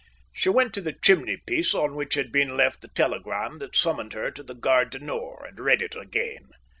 She went to the chimneypiece, on which had been left the telegram that summoned her to the Gare du Nord, and read it again.